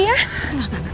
enggak enggak enggak